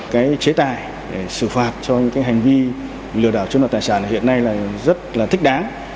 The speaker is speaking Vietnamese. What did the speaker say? cái chế tài để xử phạt cho những cái hành vi lừa đảo chiếm đoạt tài sản hiện nay là rất là thích đáng